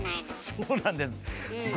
そうなんです。